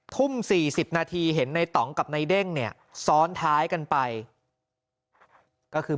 ทุ่ม๔๐นาทีเห็นในต่องกับนายเด้งเนี่ยซ้อนท้ายกันไปก็คือ